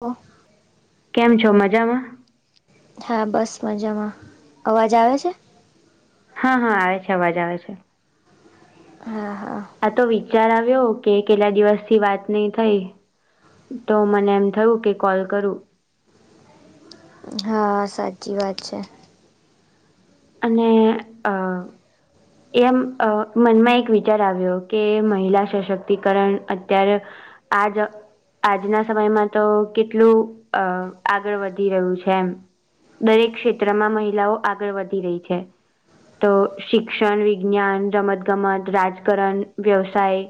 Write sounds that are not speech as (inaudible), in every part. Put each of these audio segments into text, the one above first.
ઓ કેમ છો મજામાં હા બસ મજામાં અવાજ આવે છે. હા હા આવે છે અવાજ આવે છે. હા હા આ તો વિચાર આવ્યો કે કેટલા દિવસ થી વાત નહી થઈ. તો મને એમ થયું કે કોલ કરું હા સાચી વાત છે. અને અ એમ અ મનમાં એક વિચાર આવ્યો કે મહિલા સશક્તિકરણ અત્યારે આજ આજના સમયમાં તો કેટલું અ આગળ વધી રહ્યું છે એમ દરેક ક્ષેત્રમાં મહિલાઓ આગળ વધી રહી છે. તો શિક્ષણ વિજ્ઞાન રમત ગમત રાજકારણ વ્યવસાય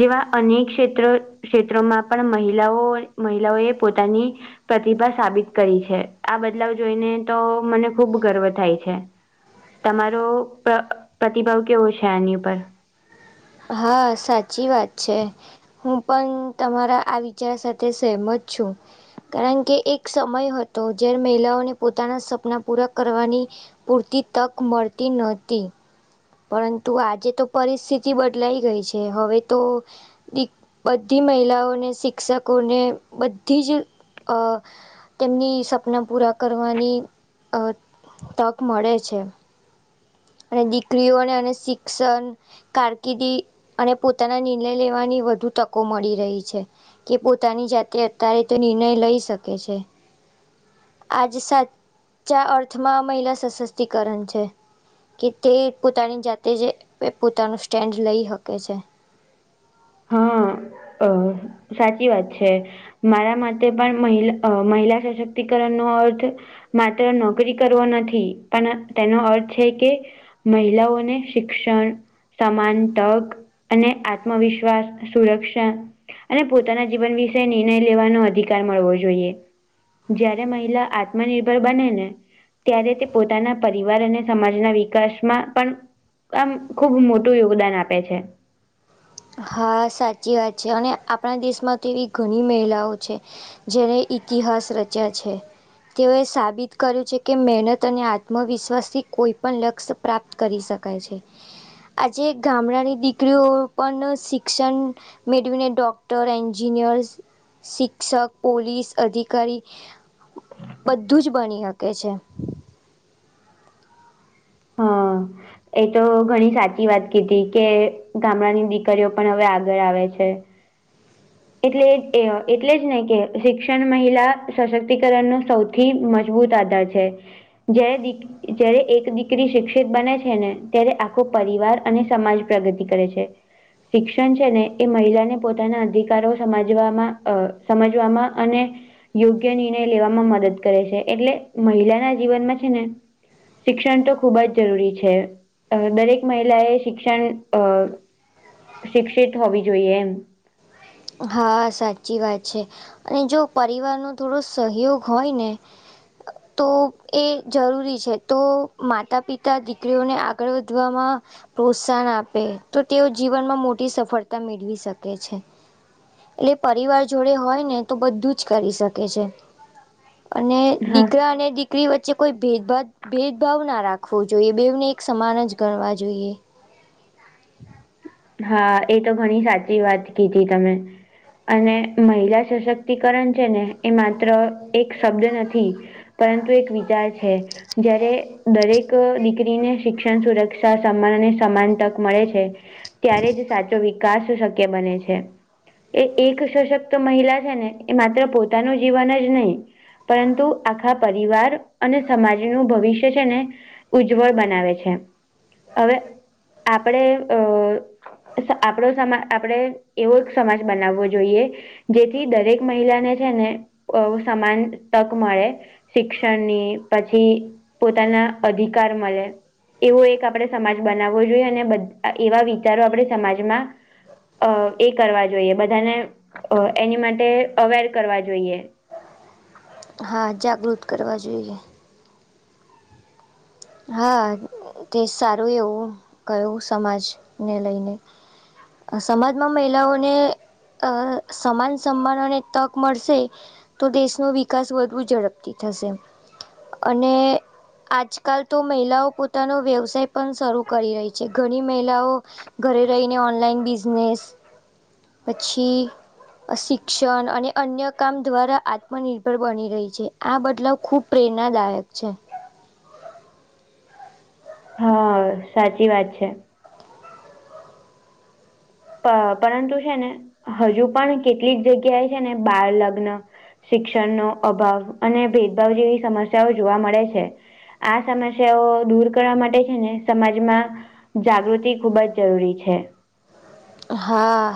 જેવા અનેક ક્ષેત્રો ક્ષેત્રોમાં પણ મહિલાઓ મહિલાઓએ પોતાની પ્રતિભા સાબિત કરી છે આ બદલાવ જોઈને તો મને ખુબ ગર્વ થાય છે. છે તમારો પ્ર પ્રતિભાવ કેવો છે આની ઉપર હા સાચી વાત છે. હું પણ તમારા આ વિચાર સાથે સહમત છું. કારણ કે એક સમય હતો જ્યારે મહિલાઓને પોતાના સપના પૂરા કરવાની પૂરતી તક મળતી નહોતી. પરંતુ આજે તો પરિસ્થિતિ બદલાઈ ગઈ છે હવે તો ડી બધી મહિલાઓને શિક્ષકોને બધી જ અ તેમની સપના પૂરા કરવાની અ તક મળે છે. અને દીકરીઓને અને શિક્ષણ કારકિર્દી અને પોતાના નિર્ણય લેવાની વધુ તકો મળી રહી છે. જે પોતાની જાતે અત્યારે તો નિર્ણય લઈ શકે છે. આજ સાચા અર્થમાં મહિલા સશક્તિકરણ છે. કે તે પોતાની જાતે જ પોતાનું સ્ટેન્ડ લઈ શકે છે હ અ સાચી વાત છે. મારા માટે પણ મહિલા મહિલા સશક્તિકરણનો અર્થ માત્ર નોકરી કરવો નથી પણ તેનો અર્થ છે કે મહિલાઓને શિક્ષણ સમાન તક અને આત્મવિશ (unintelligible) સુરક્ષા અને પોતાના જીવન વિશે નિર્ણય લેવાનો અધિકાર મળવો જોઈએ. જયારે મહિલા આત્મનિર્ભર બને ને ત્યારે તે પોતાના પરિવાર અને સમાજના વિકાસમાં પણ આમ ખુબ મોટું યોગદાન આપે છે હા સાચી વાત છે અને આપણા દેશમાં તો એવી ઘણી મહિલાઓ છે જેને ઇતિહાસ રચ્યા છે તેઓએ સાબિત કર્યું છે કે મહેનત અને આત્મવિશ્વાસથી કોઈપણ લક્ષ્ય પ્રાપ્ત કરી શકાય છે આજે ગામડાની દીકરીઓ પણ શિક્ષણ મેળવીને ડોક્ટર એન્જિનિયર્સ. શિક્ષક પોલીસ અધિકારી. બધું જ બની શકે છે. હા. એ તો ઘણી સાચી વાત કીધી કે ગામડાની દીકરીઓ પણ હવે આગળ આવે છે. એટલે એટલે જ ને કે શિક્ષણ મહિલા સશક્તિકરણ ન સૌથી. થી મજબૂત આધાર છે જે. જારે એક દીકરી શિક્ષિત બને છે ને ત્યારે આખો પરિવાર અને સમાજ પ્રગતિ કરે છે. શિક્ષણ છે ને એ મહિલાને પોતાના અધિક કારો સમજવામાં સમજવામાં અને યોગ્ય નિર્ણય લેવામાં મદદ કરે છે એટલે મહિલાના જીવનમાં છે ને શિક્ષણ તો ખુબ જ જરૂરી છે. અ દરેક મહિલાએ શિક્ષણ અ શિક્ષિત હોવી જોઈએ એમ હા સાચી વાત છે અને જો પરિવારનોો થોડો સહયોગ હોય ને. હ (unintelligible) તો એ જરૂરી છે તો માતા પિતા દીકરીઓને આગળ વધવામાં પ્રોત્સાહન આપે તો તેઓ જીવનમાં મોટી સફળતા મેળવી શકે છે. એટલે પરિવાર જોડે હોય ને તો બધું જ કરી શકે છે. અને હા દીકરા અને દી દીકરી વચ્ચે કોઈ ભેદભાત ભેદભાવ ના રાખવો જોઈએ બેવને એક સમાન જ ગણવા જોઈએ. હા એ તો ઘણી સાચી વાત કીધી તમે. અને મહિલા સશક્તિકરણ છે ને એ માત્ર એક શબ્દ નથી પરંતુ એક વિચાર છે. જયારે દરેક દીકરીને શિક્ષણ સુરક્ષા સમાન અને સમાન તક મળે છે. ત્યારે જ સાચો વિકાસ શક્ય બને છે. એ એક સશક્ત મહિલા છે ને એ માત્ર પોતાનું જીવન જ નહીં. પરંતુ આખા પરિવાર અને સમાજનું ભવિષ્ય છે ને ઉજ્જવળ બનાવે છે હવે આપણે અ આપડો સમાજ આપડે એવો એક સમાજ બનાવવો જોઈએ. જેથી દરેક મહિલાને છે ને સમાન તક મળે. શિક્ષણ ની પછી પોતાના અધિકાર મળે. એવો એક આપણે સમાજ બનાવવો જોઈએ અને એવા વિચારો આપણે સમાજમાં. અ એ કરવા જોઈએ બધાને એની માટે અવેર કરવા જોઈએ. હા જાગૃત કરવા જોઈએ. હા તે સારું એવું કયું સમાજને લઈને. સમાજમાં મહિલાઓને. અ સમાન સન્માનોને તક મળશે. તો દેશનો વિકાસ વધુ ઝડપથી થશે અને આજ આકાલ તો મહિલાઓ પોતાનો વ્યવસાય પણ શરૂ કરી રહી છે ઘણી મહિલાઓ. ઘરે રહીને ઓનલાઈન બિઝનેસ પછી. શિક્ષણ અને અન્ય કામ દ્વારા આત્મનિર્ભર બની રહી છે. આ બદલાવ ખૂબ પ્રેરણાદાયક છે. હા સાચી વાત છે. પરંતુ છે ને હજુ પણ કેટલીક જગ્યાએ છે ને બાળ લગ્ન. શિક્ષણનો અભાવ અને ભેદભાવ જેવી સમસ્યાઓ જોવા મળે છે. આ સમસ્યાઓ દૂર કરવા માટે છે ને સમાજમાં. જાગૃતિ ખૂબ જ જરૂરી છે. હા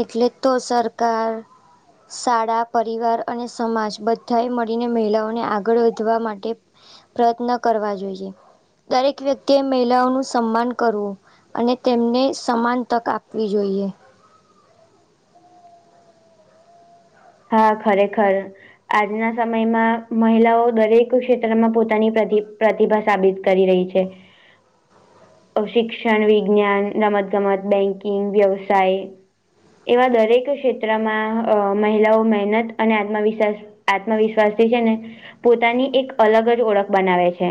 એટલે તો સરકાર શાળા પરિવાર અને સમાજ બધાએ મળીને મહિલાઓને આગળ વધવા માટે. પ્રયત્ન કરવા જોઈએ. દરેક વ્યક્તિએ મહિલાઓનું સન્માન કરવું અને તેમને સમાન તક આપ આપવી જોઈએ હા ખરે ખર આજના સમયમાં મહિલાઓ દરેક ક્ષેત્રમાં પોતાની પ્ર પ્રતિભા સાબિત કરી રહી છે (inaudible) શિક્ષણ વિજ્ઞાન રમત ગમત બેંકિંગ વ્યવસાય એવા દરેક ક્ષેત્રમાં અ મહિલાઓ મહેનત અને આત્મવિશ્વાસ આત્મવિશ્વાસથી છે ને પોતાની એક અલગ જ ઓળખ બનાવે છે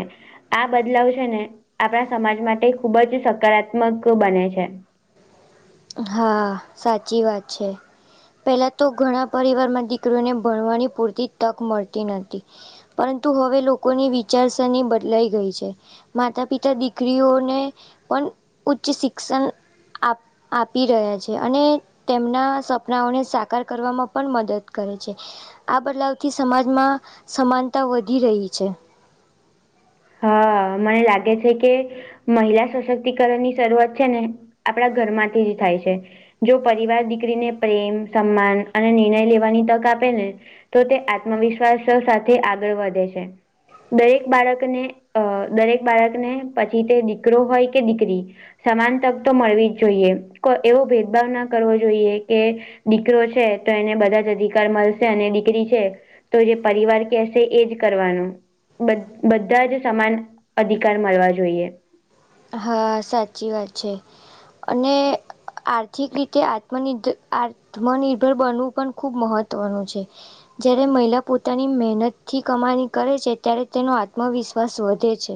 આ બદલાવ છે ને આપણા સમાજ માટે ખુબ જ સકારાત્મક બને છે હા સાચી વાત છે પેલા તો ઘણા પરિવારમાં દીકરોને ભણવાની પૂરતી તક મળતી નથીતી પરંતુ હવે લોકોની વિચારસરણી બદલાઈ ગઈ છે માતા પિતા દીકરીઓને પણ ઉચ્ચ શિક્ષણ આપ આપી રહ્યા છે અને તેમના સપનાઓને સાકાર કરવામાં પણ મદદ કરે છે આ બદલાવથી સમાજમાં સમાનતા વધી રહી છે હા મને લાગે છે કે મહિલા સશક્તિકરણ ની શરૂઆત છે ને આપણા ઘરમાંથી જ થાય છે જો પરિવાર દીકરીને પ્રેમ સન્માન અને નિર્ણય લેવાની તક આપે ને તો તે આત્મવિશ્વાસ સાથે આગળ વધે છે દરેક બાળકને અ દરેક બાળકને પછી તે દીકરો હોય કે દીકરી સમાન તક તો મળવી જ જોઈએ એવો ભેદભાવ ના કરવો જોઈએ કે દીકરો છે તો એને બધા જ અધિકાર મળશે અને દીકરી છે તો જે પરિવાર કેશે એજ કરવાનો બધા જ સમાન અધિકાર મળવા જોઈએ હા સાચી વાત છે અને આર્થિક રીતે આત્મનર્ આત્મનિર્ભર બનવું પણ ખૂબ મહત્વનું છે જયારે મહિલા પોતાની મહેનતથી કમાણી કરે છે ત્યારે તેનો આત્મવિશ્વાસ વધે છે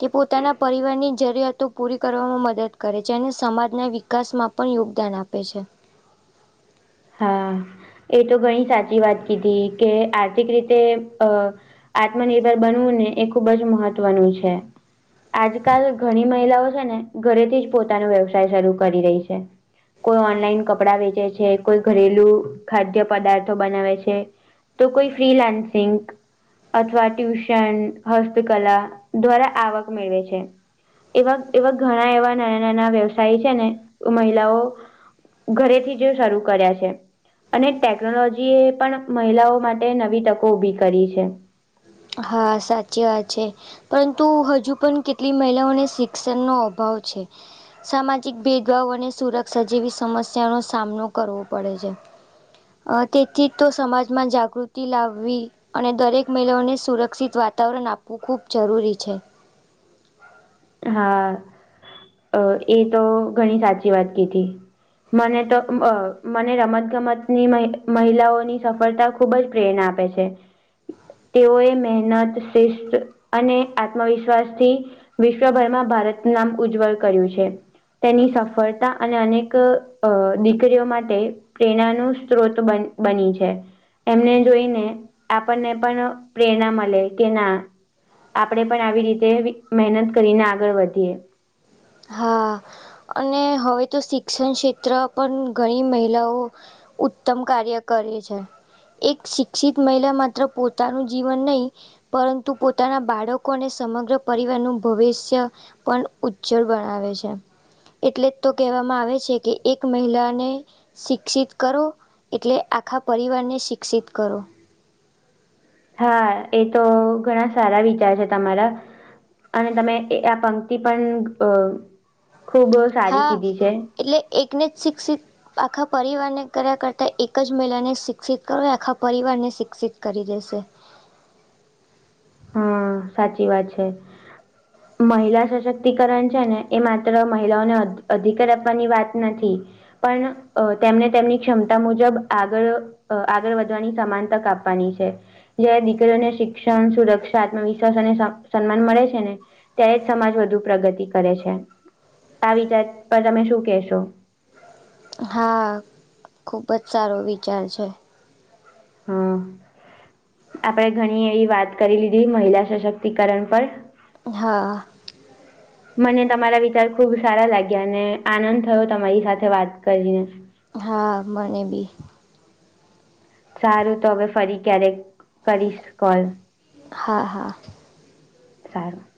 તે પોતાના પરિવારની જરૂરિયાતો પૂરી કરવામાં મદદ કરે છે અને સમાજના વિકાસમાં પણ યોગદાન આપે છે હા એ તો ઘણી સાચી વાત કીધી કે આર્થિક રીતે અ આત્મનિર્ભર બનવું ને એ ખુબ જ મહત્વનું છે આજકાલ ઘણી મહિલાઓ છે ને ઘરેથી જ પોતાનો વ્યવસાય શરૂ કરી રહી છે કોઈ ઓનલાઈન કપડાં વેચે છે કોઈ ઘરેલું ખાદ્ય પદાર્થો બનાવે છે તો કોઈ ફ્રીલાન્સિંગ અથવા ટ્યુશન હસ્તકલા દ્વારા આવક મેળવે છે એવા એવા ઘણા એવા નાના નાના વ્યવસાય છે ને મહિલાઓ ઘરેથી જો સારું કર્યા છે અને ટેકનોલોજી એ પણ મહિલાઓ માટે નવી તકો ઉભી કરી છે હા સાચી વાત છે પરંતુ હજુ પણ કેટલી મહિલાઓને શિક્ષણનો અભાવ છે સામાજિક ભેદભાવ અને સુરક્ષા જેવી સમસ્યાનોો સામનો કરવો પડે છે અ તેથી તો સમાજમાં જાગૃતિ લાવવી અને દરેક મહિલાઓને સુરક્ષિત વાતાવરણ આપવું ખૂબ જરૂરી છે હા એ તો ઘણી સાચી વાત કીધી મને તો મને રમતગમતની મહિલાઓની સફળતા ખુબ જ પ્રેરણા આપે છે તેઓએ મહેનત શિસ્ત અને આત્મવિશ્વાસથી વિશ્વભરમાં ભારતનું નામ ઉજ્જવળ કર્યું છે તેની સફળતા અને અનેક દીકરીઓ માટે પ્રેરણા નું સ્ત્રોત બન બની છે. એમને જોઈને આપણને પણ અહ પ્રેરણા મલે કે ના આપડે પણ આવી રીતે મહેનત કરીને આગળ વધીએ. હા, અને હવે તો શિક્ષણ ક્ષેત્ર પણ ઘણી મહિલાઓ ઉત્તમ કાર્ય કરે છે. એક શિક્ષિત મહિલા માત્ર પોતાનું જીવન નહીં પરંતુ પોતાના બાળકો અને સમગ્ર પરિવારનું ભવિષ્ય પણ ઉજ્જળ બનાવે છે. એટલે તો કહેવામાં આવે છે કે એક મહિલાને શિક્ષિત કરો એટલે આખા પરિવારને શિક્ષિત કરો. હા, એ તો ઘણા સારા વિચાર છે તમારા. અને તમે એ આ પંક્તિ પણ અહ ખુબ સારી હા કીધી છે. એટલે એકને જ શિક્ષિત તો આખા પરિવારને કર્યા કરતા એક જ મહિલાને શિક્ષિત કરો આખા પરિવારને શિક્ષિત કરી દેશે. હમ્મ, સાચી વાત છે. હ મહિલા સશક્તિકરણ છે ને એ માત્ર મહિલાઓને અધ-અધિકાર આપવાની વાત નથી પણ અહ તેમને તેમની ક્ષમતા મુજબ આગળ અહ આગળ વધવાની સમાન તક આપવાની છે. જયારે દીકરીઓને શિક્ષણ સુરક્ષ આત્મવિશ્વાસ અને સા-સન્માન મળે છે ને ત્યારે જ સમાજ વધુ પ્રગતિ કરે છે. આ વિચાર પર તમે શું કહેશો? હા, ખૂબ જ સારો વિચાર છે. હા આપડે ઘણી એવી વાત કરી લીધી મહિલા સશક્તિકરણ પર હા. મને તમારા વિચાર ખુબ સારા લાગ્યા અને આનંદ થયો તમારી સાથે વાત કરીને. હા, મને બી. સારું તો હવે ફરી ક્યારેક કરીશ કોલ. હા, હા. સારું.